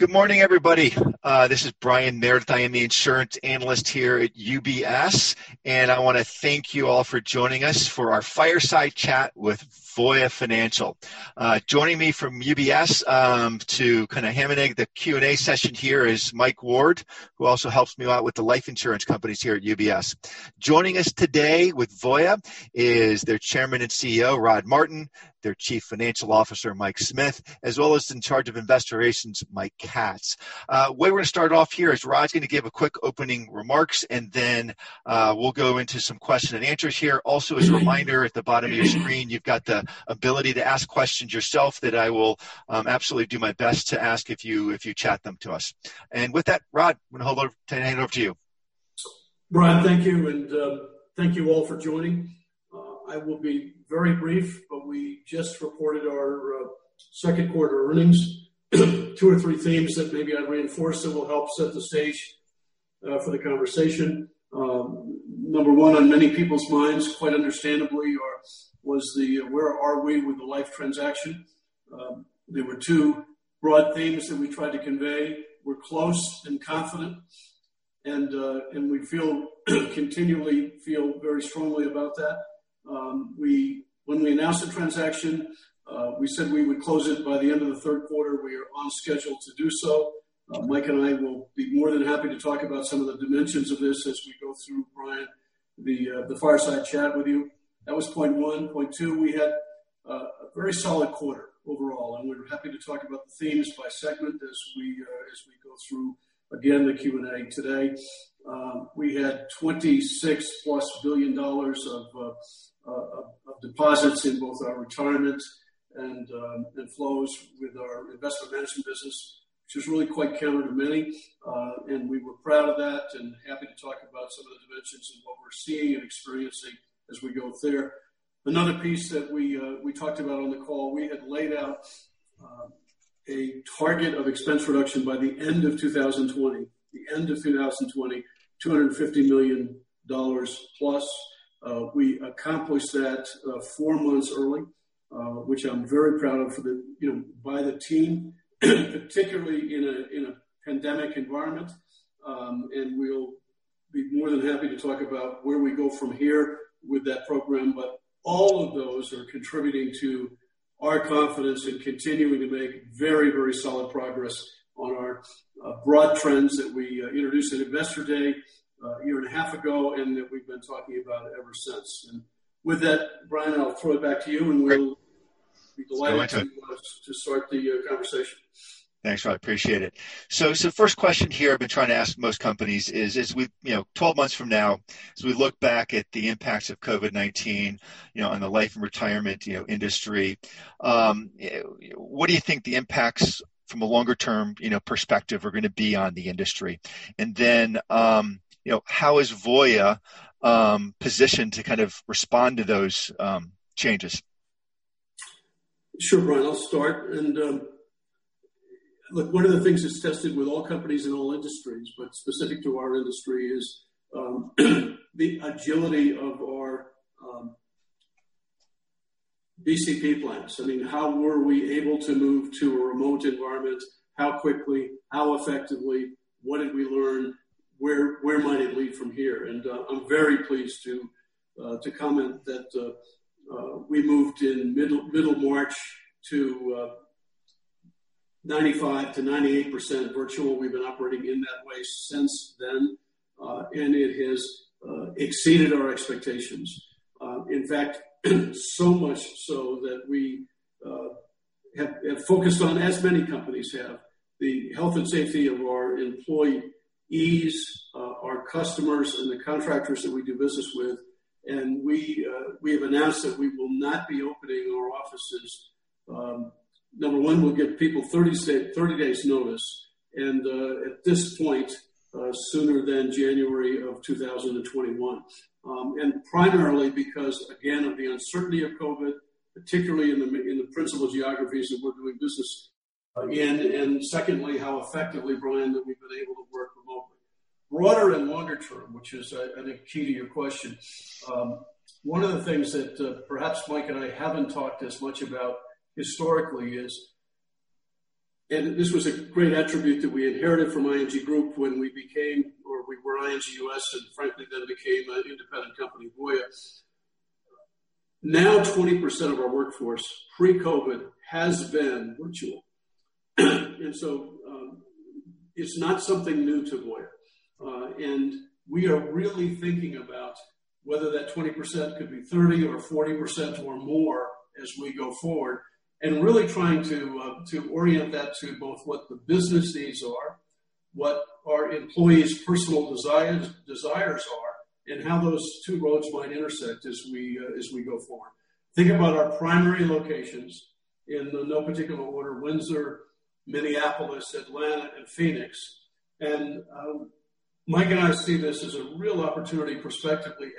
Good morning, everybody. This is Brian Meredith. I am the insurance analyst here at UBS, and I want to thank you all for joining us for our Fireside Chat with Voya Financial. Joining me from UBS to kind of ham and egg the Q&A session here is Mike Ward, who also helps me out with the life insurance companies here at UBS. Joining us today with Voya is their Chairman and CEO, Rod Martin, their Chief Financial Officer, Mike Smith, as well as in charge of Investor Relations, Mike Katz. The way we're going to start off here is Rod's going to give quick opening remarks. We'll go into some questions and answers here. As a reminder, at the bottom of your screen, you've got the ability to ask questions yourself that I will absolutely do my best to ask if you chat them to us. With that, Rod, I'm going to hand it over to you. Brian, thank you. Thank you all for joining. I will be very brief. We just reported our second quarter earnings. Two or three themes that maybe I'd reinforce that will help set the stage for the conversation. Number 1 on many people's minds, quite understandably, was where are we with the life transaction? There were 2 broad themes that we tried to convey. We're close and confident. We continually feel very strongly about that. When we announced the transaction, we said we would close it by the end of the third quarter. We are on schedule to do so. Mike and I will be more than happy to talk about some of the dimensions of this as we go through, Brian, the Fireside Chat with you. That was point 1. Point 2, we had a very solid quarter overall. We're happy to talk about the themes by segment as we go through, again, the Q&A today. We had $26 billion plus of deposits in both our retirement and inflows with our investment management business, which was really quite counter to many. We were proud of that and happy to talk about some of the dimensions and what we're seeing and experiencing as we go there. Another piece that we talked about on the call, we had laid out a target of expense reduction by the end of 2020. The end of 2020, $250 million plus. We accomplished that 4 months early, which I'm very proud of by the team, particularly in a pandemic environment. We'll be more than happy to talk about where we go from here with that program. All of those are contributing to our confidence in continuing to make very, very solid progress on our broad trends that we introduced at Investor Day a year and a half ago and that we've been talking about ever since. With that, Brian, I'll throw it back to you. Great. I'll be delighted to start the conversation. Thanks, Rod. Appreciate it. First question here I've been trying to ask most companies is 12 months from now, as we look back at the impacts of COVID-19 in the life and retirement industry, what do you think the impacts from a longer-term perspective are going to be on the industry? Then, how is Voya positioned to kind of respond to those changes? Sure, Brian, I'll start. Look, one of the things that's tested with all companies in all industries, but specific to our industry is the agility of our BCP plans. I mean, how were we able to move to a remote environment? How quickly? How effectively? What did we learn? Where might it lead from here? I'm very pleased to comment that we moved in middle March to 95%-98% virtual. We've been operating in that way since then. It has exceeded our expectations. In fact, so much so that we have focused on, as many companies have, the health and safety of our employees, our customers, and the contractors that we do business with. We have announced that we will not be opening our offices. Number one, we'll give people 30 days' notice, and at this point, sooner than January of 2021. Primarily because, again, of the uncertainty of COVID, particularly in the principal geographies that we're doing business in. Secondly, how effectively, Brian, that we've been able to work remotely. Broader and longer term, which is I think key to your question, one of the things that perhaps Mike and I haven't talked as much about historically is This was a great attribute that we inherited from ING Group when we became, or we were ING U.S., and frankly then became an independent company, Voya. Now 20% of our workforce, pre-COVID, has been virtual. So, it's not something new to Voya. We are really thinking about whether that 20% could be 30% or 40% or more as we go forward, and really trying to orient that to both what the business needs are, what our employees personal desires are, and how those two roads might intersect as we go forward. Thinking about our primary locations, in no particular order, Windsor, Minneapolis, Atlanta, and Phoenix. Mike and I see this as a real opportunity prospectively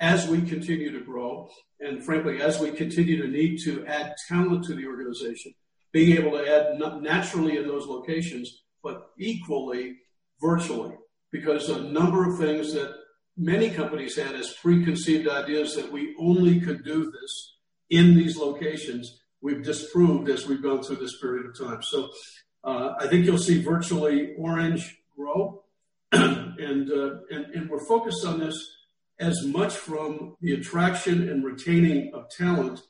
as we continue to grow, and frankly, as we continue to need to add talent to the organization, being able to add naturally in those locations, but equally virtually. A number of things that many companies had as preconceived ideas that we only could do this in these locations, we've disproved as we've gone through this period of time. I think you'll see virtually myOrangeMoney grow, and we're focused on this as much from the attraction and retaining of talent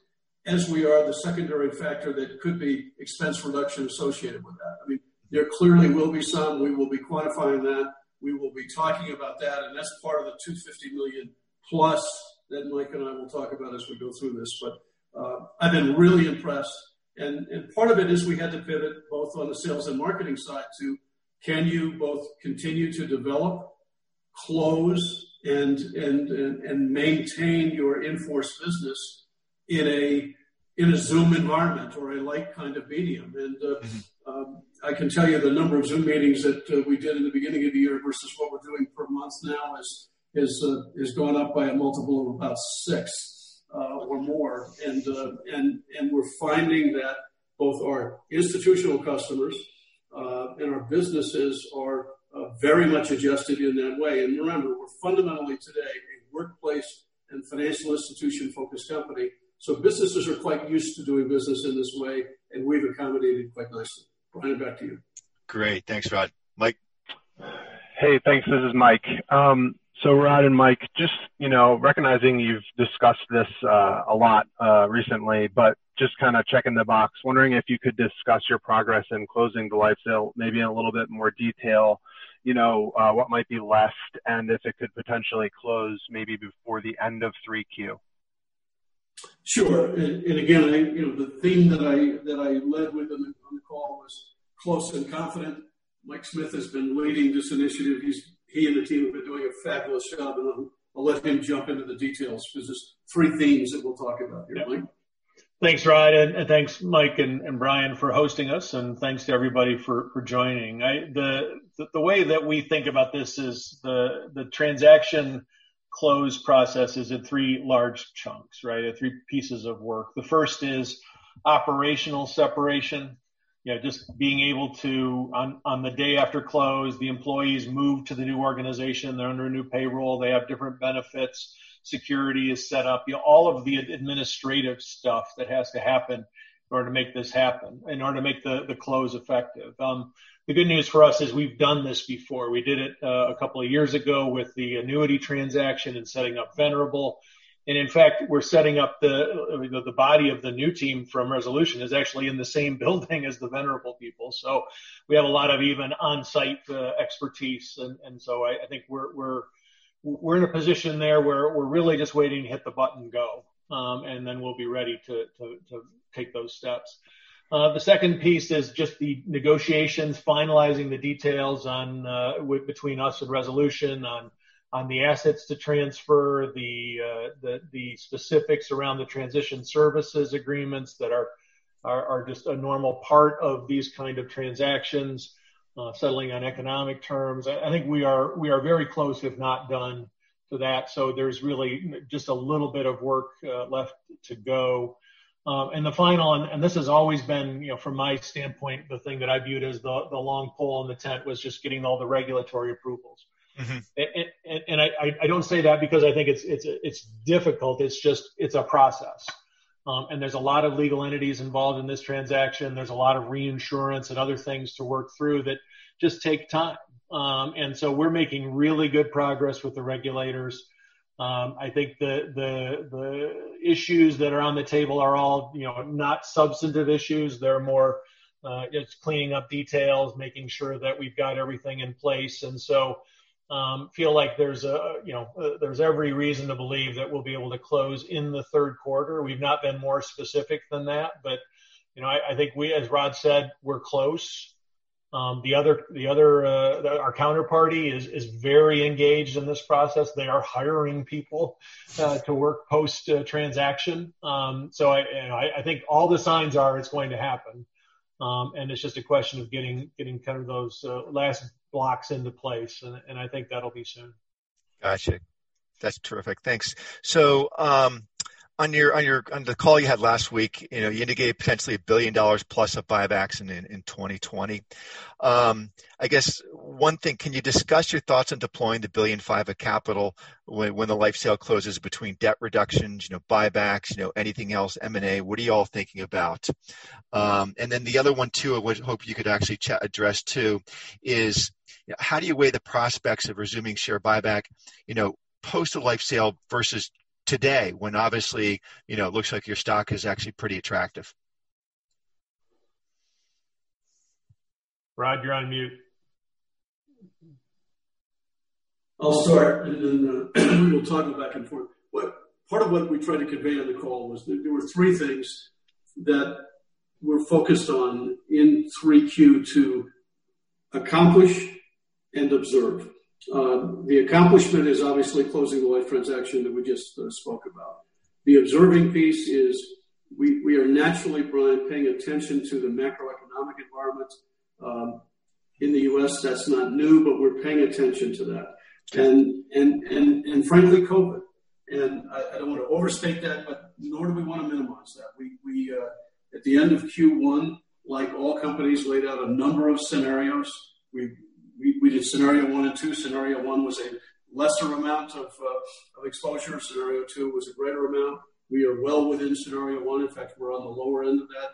as we are the secondary factor that could be expense reduction associated with that. There clearly will be some. We will be quantifying that. We will be talking about that, and that's part of the $250 million-plus that Mike and I will talk about as we go through this. I've been really impressed. Part of it is we had to pivot both on the sales and marketing side to can you both continue to develop, close, and maintain your in-force business in a Zoom environment or a like kind of medium? I can tell you the number of Zoom meetings that we did in the beginning of the year versus what we're doing per month now has gone up by a multiple of about six or more. We're finding that both our institutional customers and our businesses are very much adjusted in that way. Remember, we're fundamentally today a workplace and financial institution-focused company, so businesses are quite used to doing business in this way, and we've accommodated quite nicely. Brian, back to you. Great. Thanks, Rod. Mike? Hey, thanks. This is Mike. Rod and Mike, just recognizing you've discussed this a lot recently, but just kind of checking the box, wondering if you could discuss your progress in closing the life sale maybe in a little bit more detail, what might be left, and if it could potentially close maybe before the end of 3Q. Sure. Again, the theme that I led with on the call was close and confident. Mike Smith has been leading this initiative. He and the team have been doing a fabulous job, and I'll let him jump into the details because there's three themes that we'll talk about here. Mike? Thanks, Rod, and thanks, Mike and Brian, for hosting us, and thanks to everybody for joining. The way that we think about this is the transaction close process is in three large chunks, or three pieces of work. The first is operational separation. Just being able to, on the day after close, the employees move to the new organization. They're under a new payroll. They have different benefits. Security is set up. All of the administrative stuff that has to happen in order to make this happen, in order to make the close effective. The good news for us is we've done this before. We did it a couple of years ago with the annuity transaction and setting up Venerable. And in fact, we're setting up the body of the new team from Resolution is actually in the same building as the Venerable people. We have a lot of even on-site expertise, I think we're in a position there where we're really just waiting to hit the button go, then we'll be ready to take those steps. The second piece is just the negotiations, finalizing the details between us and Resolution Life on the assets to transfer, the specifics around the transition services agreements that are just a normal part of these kind of transactions, settling on economic terms. I think we are very close, if not done to that. There's really just a little bit of work left to go. The final, and this has always been, from my standpoint, the thing that I viewed as the long pole in the tent was just getting all the regulatory approvals. I don't say that because I think it's difficult. It's a process. There's a lot of legal entities involved in this transaction. There's a lot of reinsurance and other things to work through that just take time. We're making really good progress with the regulators. I think the issues that are on the table are all not substantive issues. They're more just cleaning up details, making sure that we've got everything in place. Feel like there's every reason to believe that we'll be able to close in the third quarter. We've not been more specific than that, but I think we, as Rod said, we're close. Our counterparty is very engaged in this process. They are hiring people to work post-transaction. I think all the signs are it's going to happen. It's just a question of getting kind of those last blocks into place, and I think that'll be soon. Got you. That's terrific. Thanks. On the call you had last week, you indicated potentially $1 billion plus of buybacks in 2020. I guess one thing, can you discuss your thoughts on deploying the $1.5 billion of capital when the life sale closes between debt reductions, buybacks, anything else, M&A? What are you all thinking about? The other one too, I would hope you could actually address too, is how do you weigh the prospects of resuming share buyback, post the life sale versus today, when obviously, it looks like your stock is actually pretty attractive? Rod, you're on mute. I'll start, then we'll talk back and forth. Part of what we tried to convey on the call was there were three things that we're focused on in 3Q to accomplish and observe. The accomplishment is obviously closing the life transaction that we just spoke about. The observing piece is we are naturally, Brian, paying attention to the macroeconomic environments in the U.S. That's not new, but we're paying attention to that. Frankly, COVID, and I don't want to overstate that, but nor do we want to minimize that. At the end of Q1, like all companies, laid out a number of scenarios. We did scenario 1 and 2. Scenario 1 was a lesser amount of exposure. Scenario 2 was a greater amount. We are well within scenario 1. In fact, we're on the lower end of that.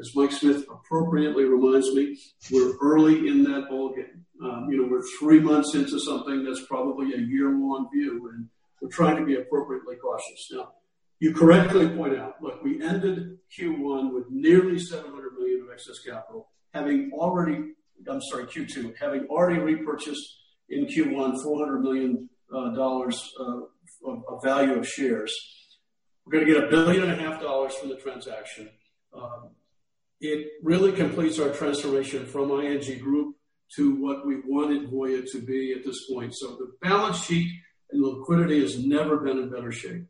As Mike Smith appropriately reminds me, we're early in that ballgame. We're three months into something that's probably a year-long view, and we're trying to be appropriately cautious. Now, you correctly point out, look, we ended Q1 with nearly $700 million of excess capital. Having already I'm sorry, Q2. Having already repurchased in Q1 $400 million of value of shares. We're going to get a billion and a half dollars from the transaction. It really completes our transformation from ING Group to what we wanted Voya to be at this point. The balance sheet and liquidity has never been in better shape.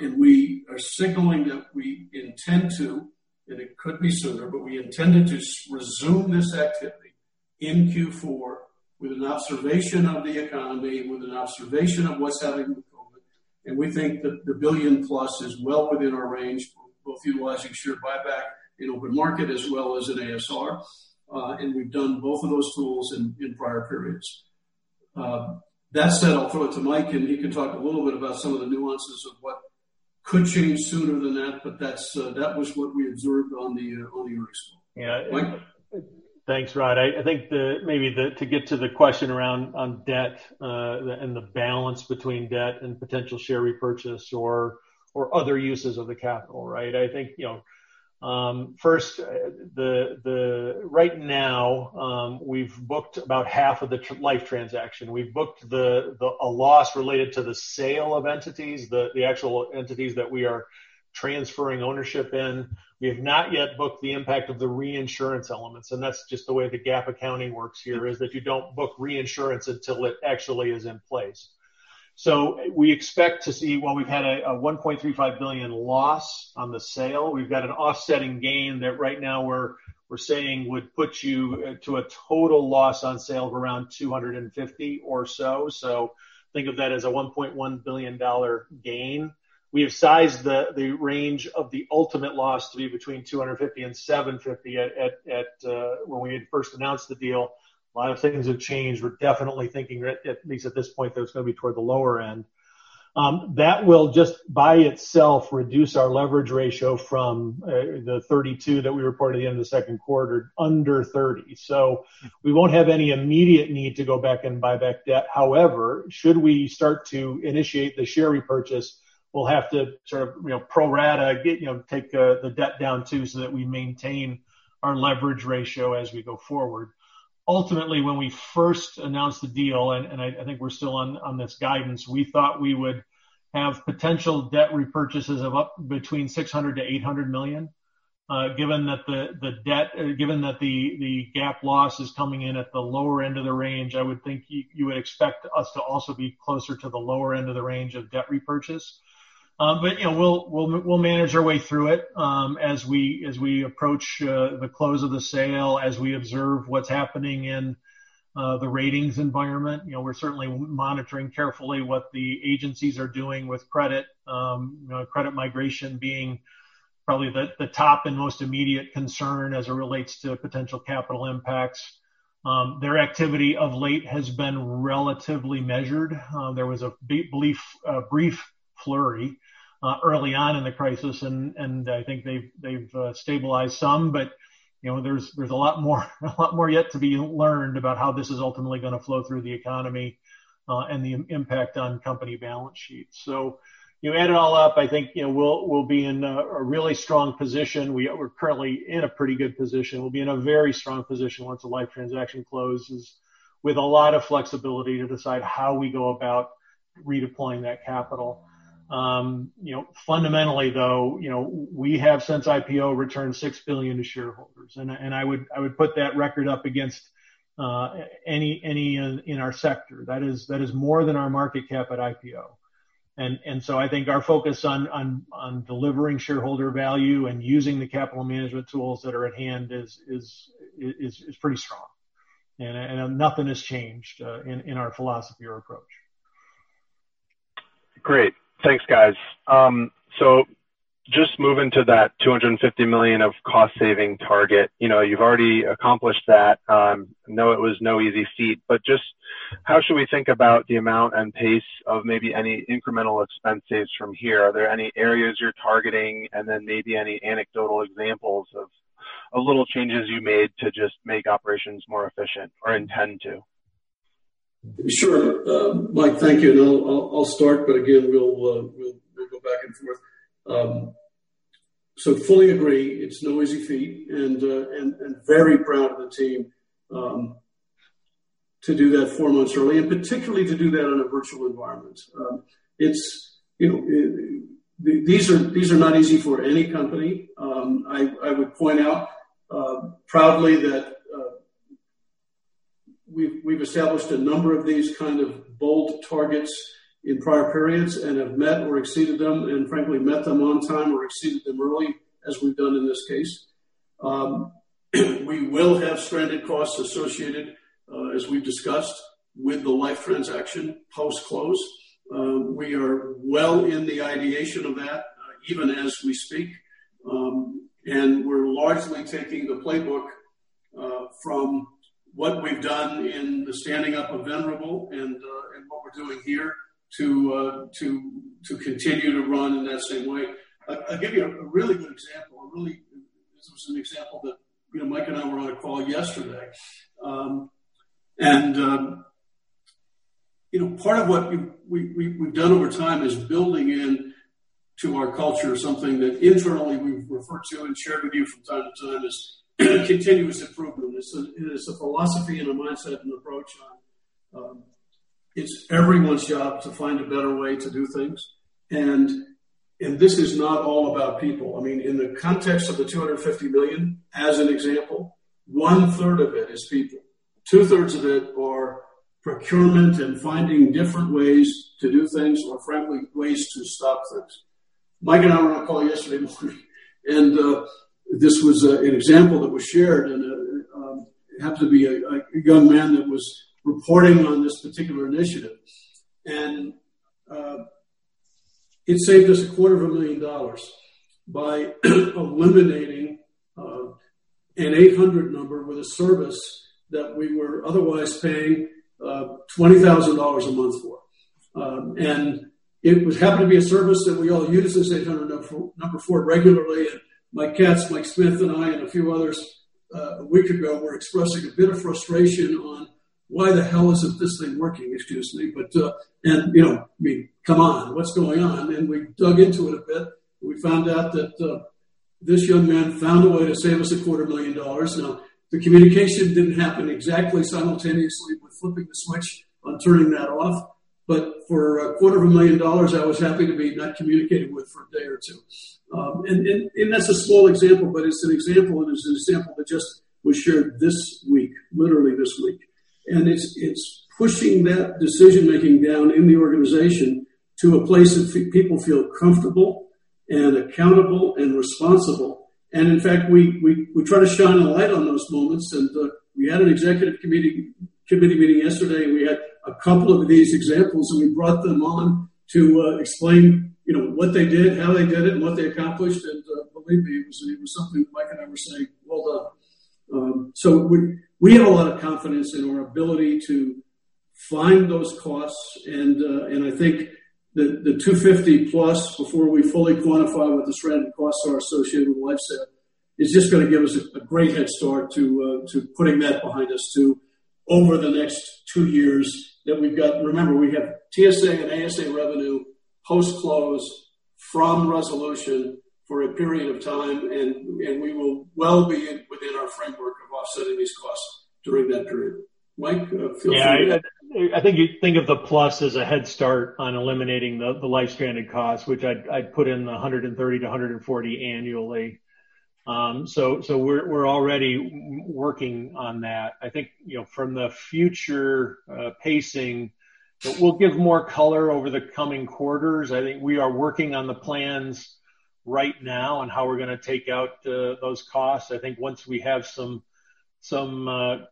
We are signaling that we intend to, and it could be sooner, but we intended to resume this activity in Q4 with an observation of the economy, with an observation of what's happening with COVID, we think that the billion-plus is well within our range, both utilizing share buyback in open market as well as in ASR, we've done both of those tools in prior periods. That said, I'll throw it to Mike, and he can talk a little bit about some of the nuances of what could change sooner than that was what we observed on the earnings call. Yeah. Mike? Thanks, Rod. I think maybe to get to the question around on debt, and the balance between debt and potential share repurchase or other uses of the capital, right? I think, first, right now, we've booked about half of the Life transaction. We've booked a loss related to the sale of entities, the actual entities that we are transferring ownership in. We have not yet booked the impact of the reinsurance elements, and that's just the way the GAAP accounting works here, is that you don't book reinsurance until it actually is in place. We expect to see, well, we've had a $1.35 billion loss on the sale. We've got an offsetting gain that right now we're saying would put you to a total loss on sale of around $250 or so. Think of that as a $1.1 billion gain. We have sized the range of the ultimate loss to be between $250 million-$750 million when we had first announced the deal. A lot of things have changed. We're definitely thinking, at least at this point, that it's going to be toward the lower end. That will just by itself reduce our leverage ratio from the 32% that we reported at the end of the second quarter under 30%. We won't have any immediate need to go back and buy back debt. However, should we start to initiate the share repurchase, we'll have to sort of pro rata, take the debt down too so that we maintain our leverage ratio as we go forward. Ultimately, when we first announced the deal, and I think we're still on this guidance, we thought we would have potential debt repurchases of up between $600 million-$800 million. Given that the GAAP loss is coming in at the lower end of the range, I would think you would expect us to also be closer to the lower end of the range of debt repurchase. We'll manage our way through it as we approach the close of the sale, as we observe what's happening in the ratings environment. We're certainly monitoring carefully what the agencies are doing with credit. Credit migration being probably the top and most immediate concern as it relates to potential capital impacts. Their activity of late has been relatively measured. There was a brief flurry early on in the crisis, and I think they've stabilized some, but there's a lot more yet to be learned about how this is ultimately going to flow through the economy, and the impact on company balance sheets. You add it all up, I think we'll be in a really strong position. We're currently in a pretty good position. We'll be in a very strong position once the Life transaction closes with a lot of flexibility to decide how we go about redeploying that capital. Fundamentally, though, we have since IPO returned $6 billion to shareholders, and I would put that record up against any in our sector. That is more than our market cap at IPO. I think our focus on delivering shareholder value and using the capital management tools that are at hand is pretty strong, and nothing has changed in our philosophy or approach. Great. Thanks, guys. Just moving to that $250 million of cost-saving target. You've already accomplished that. I know it was no easy feat, but just how should we think about the amount and pace of maybe any incremental expense saves from here? Are there any areas you're targeting, maybe any anecdotal examples of little changes you made to just make operations more efficient or intend to? Sure. Mike, thank you, and I'll start, but again, we'll go back and forth. Fully agree, it's no easy feat, and very proud of the team to do that four months early, and particularly to do that in a virtual environment. These are not easy for any company. I would point out proudly that we've established a number of these kind of bold targets in prior periods and have met or exceeded them, and frankly, met them on time or exceeded them early as we've done in this case. We will have stranded costs associated, as we've discussed, with the Life transaction post-close. We are well in the ideation of that. Even as we speak. We're largely taking the playbook from what we've done in the standing up of Venerable and what we're doing here to continue to run in that same way. I'll give you a really good example. This was an example that Mike and I were on a call yesterday. Part of what we've done over time is building into our culture something that internally we've referred to and shared with you from time to time is continuous improvement. It is a philosophy and a mindset and approach on it's everyone's job to find a better way to do things. This is not all about people. In the context of the $250 million, as an example, one-third of it is people. Two-thirds of it are procurement and finding different ways to do things or frankly, ways to stop things. Mike and I were on a call yesterday morning, this was an example that was shared, and it happened to be a young man that was reporting on this particular initiative. It saved us a quarter of a million dollars by eliminating an 800 number with a service that we were otherwise paying $20,000 a month for. It happened to be a service that we all use this 800 number for regularly. Mike Katz, Mike Smith, and I, and a few others, a week ago, were expressing a bit of frustration on why the hell isn't this thing working, excuse me. I mean, come on, what's going on? We dug into it a bit, and we found out that this young man found a way to save us a quarter of a million dollars. Now, the communication didn't happen exactly simultaneously with flipping the switch on turning that off, but for a quarter of a million dollars, I was happy to be not communicated with for a day or two. That's a small example, but it's an example, and it's an example that just was shared this week, literally this week. It's pushing that decision-making down in the organization to a place that people feel comfortable and accountable and responsible. In fact, we try to shine a light on those moments. We had an executive committee meeting yesterday, and we had a couple of these examples, and we brought them on to explain what they did, how they did it, and what they accomplished. Believe me, it was something Mike and I were saying, "Well done." We had a lot of confidence in our ability to find those costs. I think the 250-plus, before we fully quantify what the stranded costs are associated with Life, is just going to give us a great head start to putting that behind us, too, over the next two years that we've got. Remember, we have TSA and ASA revenue post-close from Resolution Life for a period of time, and we will well be within our framework of offsetting these costs during that period. Mike, feel free. Yeah. I think you think of the plus as a head start on eliminating the life-stranded costs, which I'd put in the $130-$140 annually. We're already working on that. I think from the future pacing, we'll give more color over the coming quarters. I think we are working on the plans right now on how we're going to take out those costs. I think once we have some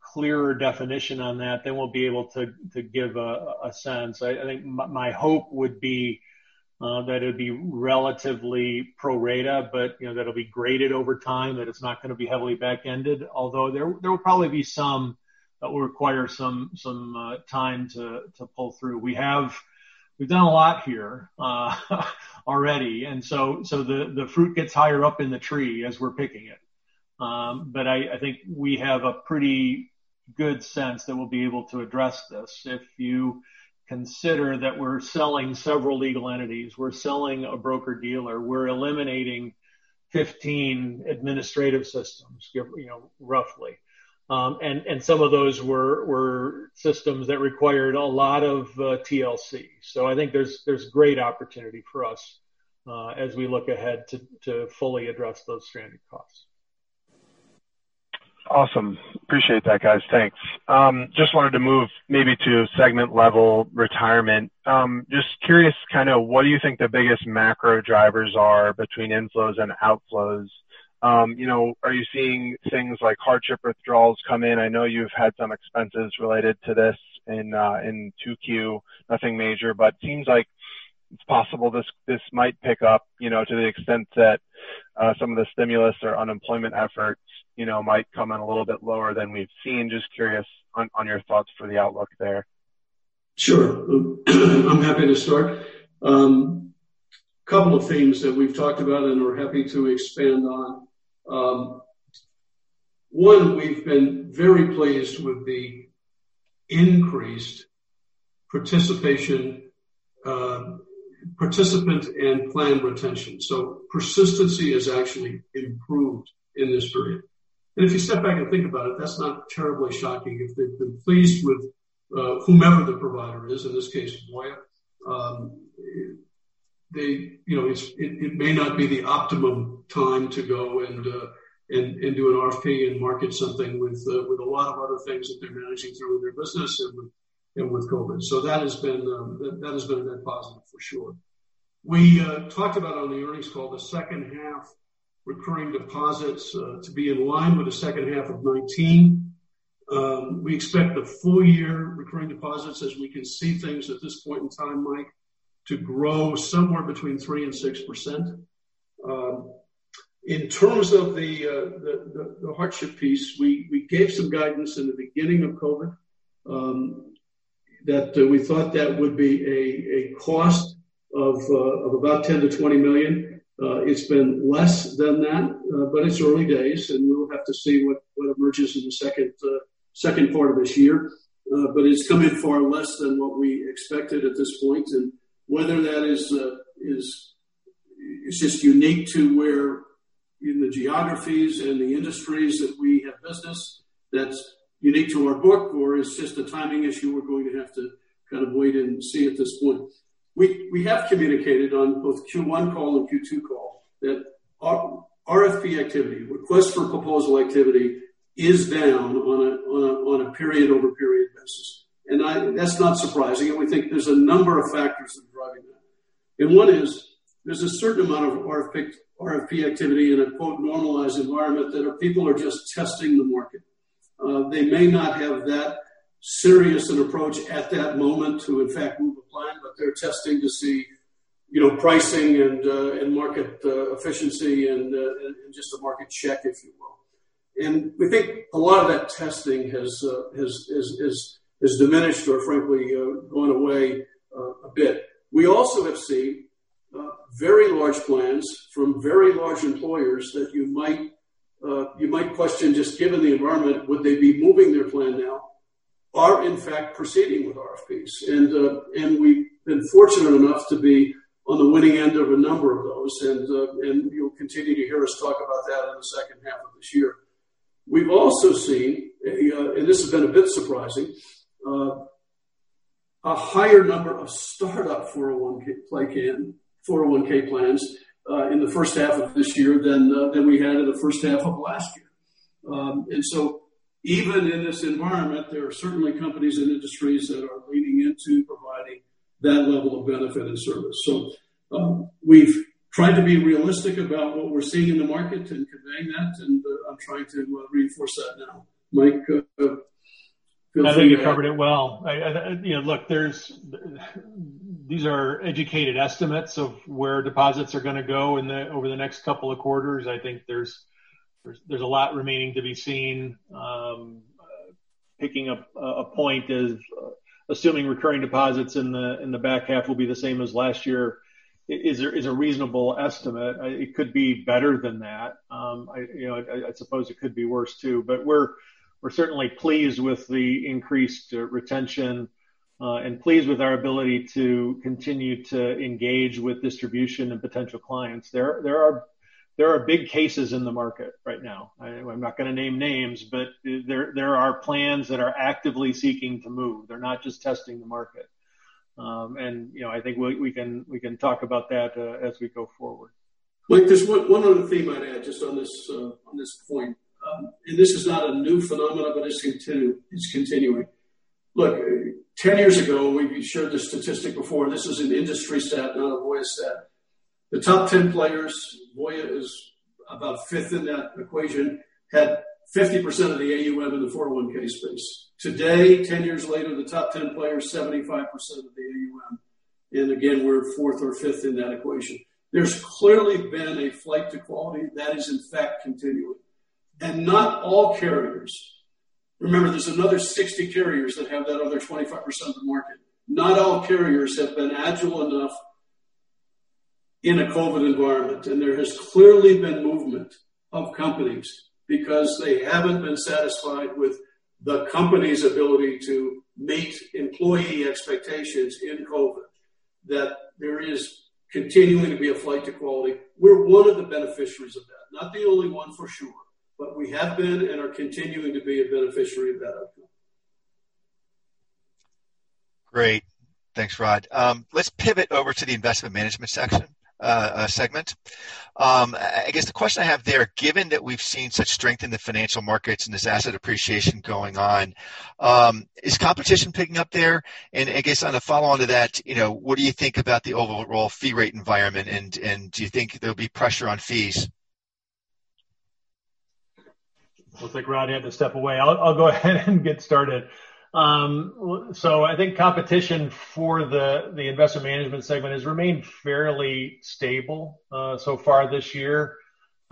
clearer definition on that, then we'll be able to give a sense. I think my hope would be that it would be relatively pro rata, but that it'll be graded over time, that it's not going to be heavily back-ended. There will probably be some that will require some time to pull through. We've done a lot here already, the fruit gets higher up in the tree as we're picking it. I think we have a pretty good sense that we'll be able to address this. If you consider that we're selling several legal entities, we're selling a broker-dealer, we're eliminating 15 administrative systems roughly. Some of those were systems that required a lot of TLC. I think there's great opportunity for us as we look ahead to fully address those stranded costs. Awesome. Appreciate that, guys. Thanks. Just wanted to move maybe to segment-level retirement. Just curious, what do you think the biggest macro drivers are between inflows and outflows? Are you seeing things like hardship withdrawals come in? I know you've had some expenses related to this in 2Q. Nothing major, but seems like it's possible this might pick up, to the extent that some of the stimulus or unemployment efforts might come in a little bit lower than we've seen. Just curious on your thoughts for the outlook there. Sure. I'm happy to start. A couple of themes that we've talked about and we're happy to expand on. One, we've been very pleased with the increased participant and plan retention. Persistency has actually improved in this period. If you step back and think about it, that's not terribly shocking. If they've been pleased with whomever the provider is, in this case, Voya, it may not be the optimum time to go and do an RFP and market something with a lot of other things that they're managing through in their business and with COVID. That has been a net positive for sure. We talked about on the earnings call the second half recurring deposits to be in line with the second half of 2019. We expect the full year recurring deposits, as we can see things at this point in time, Mike, to grow somewhere between 3% and 6%. In terms of the hardship piece, we gave some guidance in the beginning of COVID that we thought that would be a cost of about $10 million-$20 million. It's been less than that, but it's early days, and we'll have to see what emerges in the second part of this year. It's come in far less than what we expected at this point, and whether that is just unique to where in the geographies and the industries that we have business that's unique to our book, or is just a timing issue, we're going to have to wait and see at this point. We have communicated on both Q1 call and Q2 call that RFP activity, request for proposal activity, is down on a period-over-period basis. That's not surprising, and we think there's a number of factors that are driving that. One is there's a certain amount of RFP activity in a, quote, "normalized environment" that are people are just testing the market. They may not have that serious an approach at that moment to, in fact, move a plan, but they're testing to see pricing and market efficiency and just a market check, if you will. We think a lot of that testing has diminished or frankly, gone away a bit. We also have seen very large plans from very large employers that you might question just given the environment, would they be moving their plan now, are in fact proceeding with RFPs. We've been fortunate enough to be on the winning end of a number of those, and you'll continue to hear us talk about that in the second half of this year. We've also seen, and this has been a bit surprising, a higher number of startup 401 plans in the first half of this year than we had in the first half of last year. Even in this environment, there are certainly companies and industries that are leaning into providing that level of benefit and service. We've tried to be realistic about what we're seeing in the market and conveying that, and I'm trying to reinforce that now. Mike, feel free to add. No, I think you covered it well. Look, these are educated estimates of where deposits are going to go over the next couple of quarters. I think there's a lot remaining to be seen. Picking up a point of assuming recurring deposits in the back half will be the same as last year is a reasonable estimate. It could be better than that. I suppose it could be worse, too. We're certainly pleased with the increased retention and pleased with our ability to continue to engage with distribution and potential clients. There are big cases in the market right now. I'm not going to name names, but there are plans that are actively seeking to move. They're not just testing the market. I think we can talk about that as we go forward. Mike, there's one other theme I'd add just on this point. This is not a new phenomenon, but it's continuing. Look, 10 years ago, we've shared this statistic before, and this is an industry stat, not a Voya stat. The top 10 players, Voya is about fifth in that equation, had 50% of the AUM in the 401 space. Today, 10 years later, the top 10 players, 75% of the AUM, and again, we're fourth or fifth in that equation. There's clearly been a flight to quality that is in fact continuing. Not all carriers, remember, there's another 60 carriers that have that other 25% of the market. Not all carriers have been agile enough in a COVID environment, there has clearly been movement of companies because they haven't been satisfied with the company's ability to meet employee expectations in COVID, that there is continuing to be a flight to quality. We're one of the beneficiaries of that, not the only one for sure, but we have been and are continuing to be a beneficiary of that outcome. Great. Thanks, Rod. Let's pivot over to the investment management segment. I guess the question I have there, given that we've seen such strength in the financial markets and this asset appreciation going on, is competition picking up there? I guess on a follow-on to that, what do you think about the overall fee rate environment, and do you think there'll be pressure on fees? Looks like Rod had to step away. I'll go ahead and get started. I think competition for the investment management segment has remained fairly stable so far this year.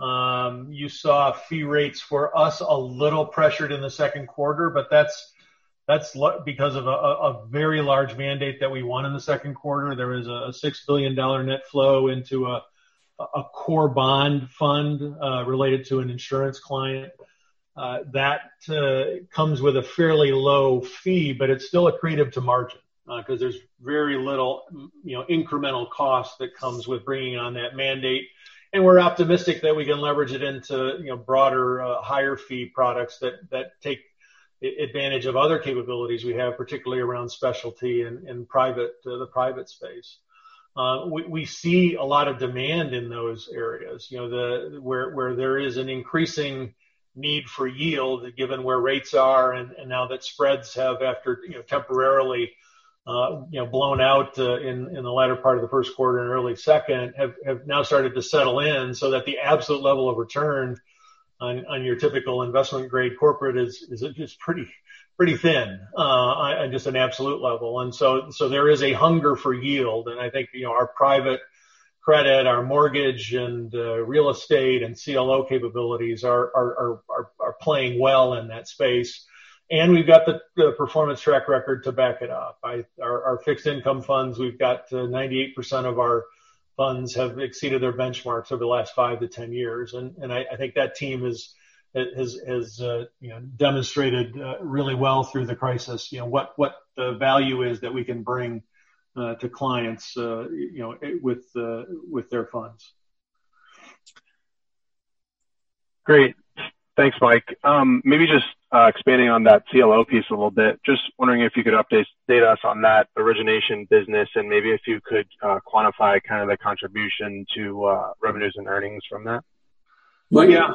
You saw fee rates for us a little pressured in the second quarter, but that's because of a very large mandate that we won in the second quarter. There was a $6 billion net flow into a core bond fund related to an insurance client. That comes with a fairly low fee, but it's still accretive to margin because there's very little incremental cost that comes with bringing on that mandate. We're optimistic that we can leverage it into broader higher fee products that take advantage of other capabilities we have, particularly around specialty and the private space. We see a lot of demand in those areas, where there is an increasing need for yield given where rates are and now that spreads have after temporarily blown out in the latter part of the first quarter and early second have now started to settle in so that the absolute level of return on your typical investment grade corporate is pretty thin on just an absolute level. There is a hunger for yield, and I think our private credit, our mortgage, and real estate, and CLO capabilities are playing well in that space. We've got the performance track record to back it up. Our fixed income funds, we've got 98% of our funds have exceeded their benchmarks over the last five to 10 years. I think that team has demonstrated really well through the crisis what the value is that we can bring to clients with their funds. Great. Thanks, Mike. Maybe just expanding on that CLO piece a little bit, just wondering if you could update us on that origination business and maybe if you could quantify kind of the contribution to revenues and earnings from that. Yeah.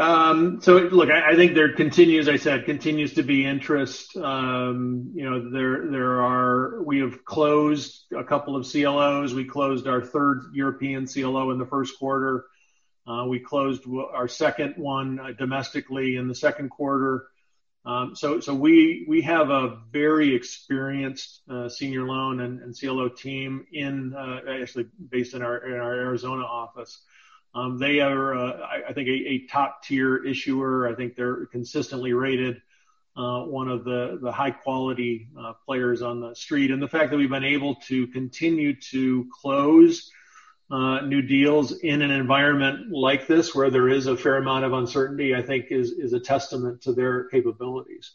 Look, I think there continues, as I said, continues to be interest. We have closed a couple of CLOs. We closed our third European CLO in the first quarter. We closed our second one domestically in the second quarter. We have a very experienced senior loan and CLO team actually based in our Arizona office. They are, I think, a top-tier issuer. I think they're consistently rated one of the high-quality players on the street. The fact that we've been able to continue to close new deals in an environment like this, where there is a fair amount of uncertainty, I think is a testament to their capabilities.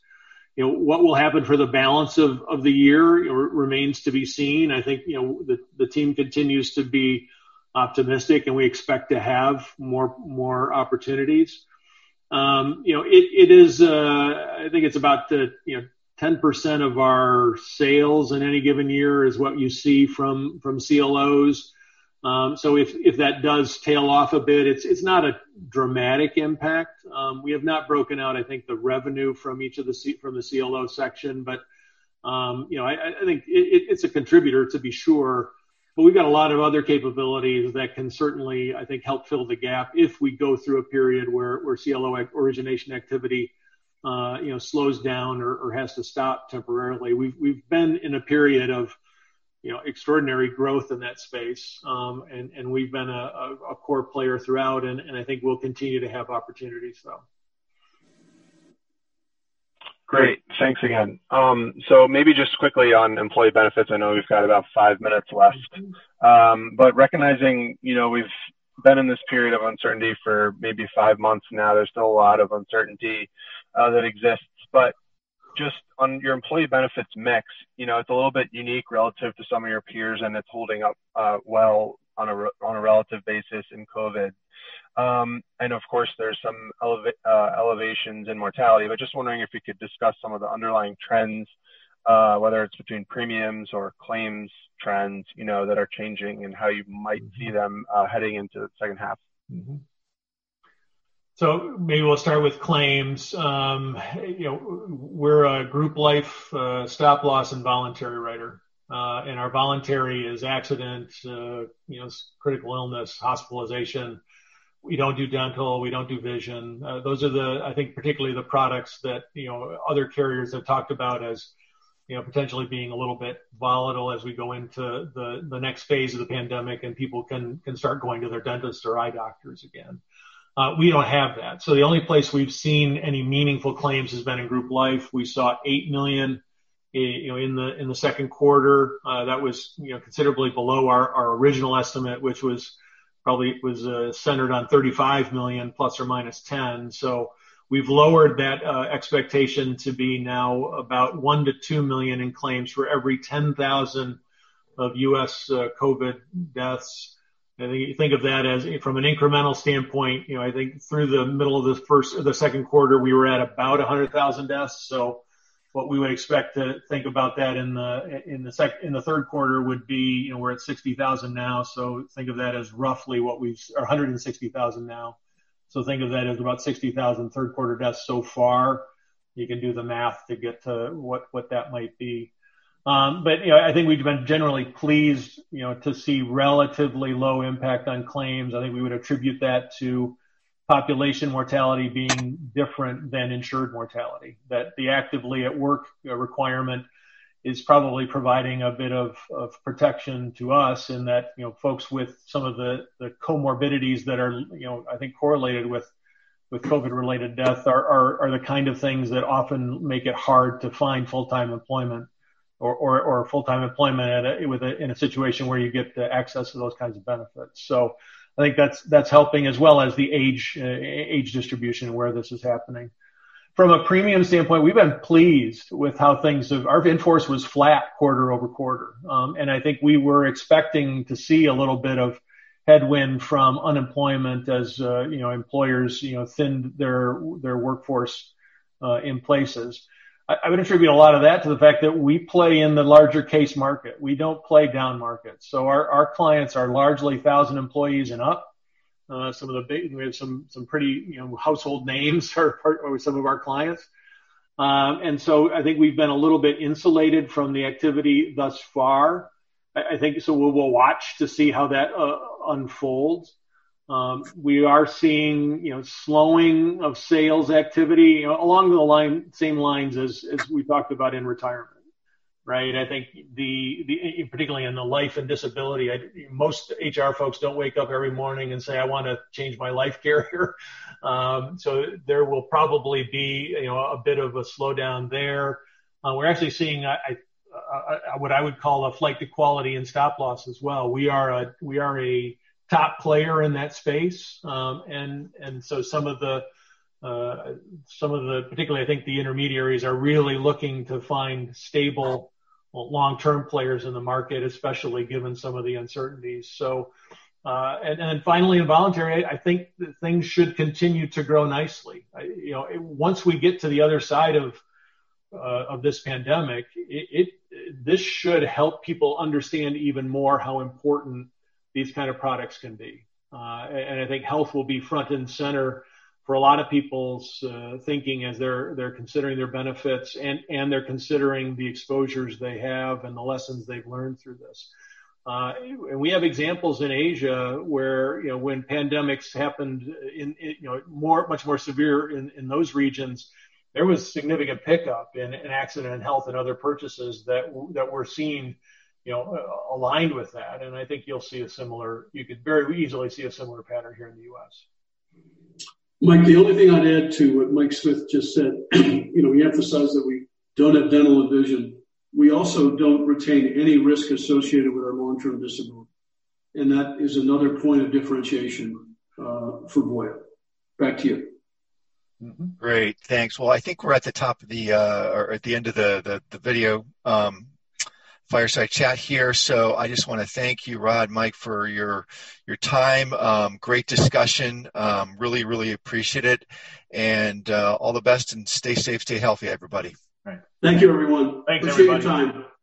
What will happen for the balance of the year remains to be seen. I think the team continues to be optimistic, and we expect to have more opportunities. I think it's about 10% of our sales in any given year is what you see from CLOs. If that does tail off a bit, it's not a dramatic impact. We have not broken out, I think, the revenue from the CLO section, but I think it's a contributor, to be sure. We've got a lot of other capabilities that can certainly, I think, help fill the gap if we go through a period where CLO origination activity slows down or has to stop temporarily. We've been in a period of extraordinary growth in that space, and we've been a core player throughout, and I think we'll continue to have opportunities, though. Great. Thanks again. Maybe just quickly on employee benefits, I know we've got about five minutes left. Recognizing we've been in this period of uncertainty for maybe five months now, there's still a lot of uncertainty that exists. Just on your employee benefits mix, it's a little bit unique relative to some of your peers, and it's holding up well on a relative basis in COVID. Of course, there's some elevations in mortality. Just wondering if you could discuss some of the underlying trends, whether it's between premiums or claims trends that are changing and how you might see them heading into the second half. We're a group life Stop Loss and voluntary writer, and our voluntary is accident, critical illness, hospitalization. We don't do dental. We don't do vision. Those are the, I think, particularly the products that other carriers have talked about as potentially being a little bit volatile as we go into the next phase of the pandemic and people can start going to their dentists or eye doctors again. We don't have that. The only place we've seen any meaningful claims has been in group life. We saw $8 million in the second quarter. That was considerably below our original estimate, which was probably centered on $35 million ±10. We've lowered that expectation to be now about $1 million-$2 million in claims for every 10,000 of U.S. COVID deaths. I think if you think of that as from an incremental standpoint, I think through the middle of the second quarter, we were at about 100,000 deaths. What we would expect to think about that in the third quarter would be, we're at 60,000 now, 160,000 now. Think of that as about 60,000 third quarter deaths so far. You can do the math to get to what that might be. I think we've been generally pleased to see relatively low impact on claims. I think we would attribute that to population mortality being different than insured mortality, that the actively at work requirement is probably providing a bit of protection to us in that folks with some of the comorbidities that are, I think, correlated with COVID-related death are the kind of things that often make it hard to find full-time employment, or full-time employment in a situation where you get the access to those kinds of benefits. I think that's helping as well as the age distribution and where this is happening. From a premium standpoint, we've been pleased with how things have Our workforce was flat quarter-over-quarter. I think we were expecting to see a little bit of headwind from unemployment as employers thinned their workforce in places. I would attribute a lot of that to the fact that we play in the larger case market. We don't play down markets. Our clients are largely 1,000 employees and up. Some of the big, we have some pretty household names are some of our clients. I think we've been a little bit insulated from the activity thus far. We'll watch to see how that unfolds. We are seeing slowing of sales activity along the same lines as we talked about in retirement, right? I think particularly in the life and disability, most HR folks don't wake up every morning and say, "I want to change my life carrier." There will probably be a bit of a slowdown there. We're actually seeing what I would call a flight to quality and Stop Loss as well. We are a top player in that space. Some of the, particularly I think the intermediaries are really looking to find stable, long-term players in the market, especially given some of the uncertainties. Finally in voluntary, I think that things should continue to grow nicely. Once we get to the other side of this pandemic, this should help people understand even more how important these kind of products can be. I think health will be front and center for a lot of people's thinking as they're considering their benefits and they're considering the exposures they have and the lessons they've learned through this. We have examples in Asia where when pandemics happened much more severe in those regions, there was significant pickup in accident and health and other purchases that were seen aligned with that. I think you could very easily see a similar pattern here in the U.S. Mike, the only thing I'd add to what Mike Smith just said, he emphasized that we don't have dental and vision. We also don't retain any risk associated with our long-term disability, and that is another point of differentiation for Voya. Back to you. Great. Thanks. Well, I think we're at the end of the video fireside chat here. I just want to thank you, Rod, Mike, for your time. Great discussion. Really, really appreciate it. All the best, and stay safe, stay healthy, everybody. Right. Thank you everyone. Thanks, everybody. Appreciate your time.